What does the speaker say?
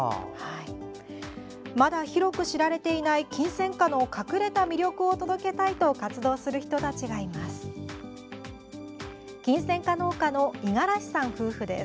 まだ広く知られていないキンセンカの隠れた魅力を届けたいと活動する人たちがいます。